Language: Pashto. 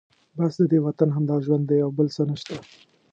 بس ددې وطن همدا ژوند دی او بل څه نشته.